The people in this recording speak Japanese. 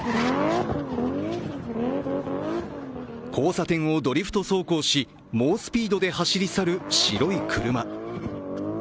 交差点をドリフト走行し猛スピードで走り去る白い車。